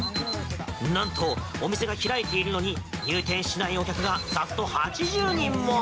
なんとお店が開いているのに入店しないお客がざっと８０人も。